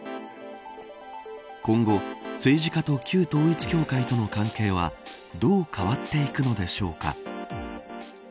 今後、政治家と旧統一教会との関係はどう変わっていくのでしょうか。